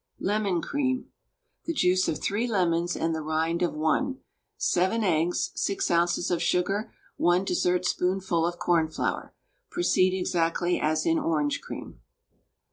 LEMON CREAM. The juice of 3 lemons and the rind of 1, 7 eggs, 6 oz. of sugar, 1 dessertspoonful of cornflour. Proceed exactly as in "Orange Cream."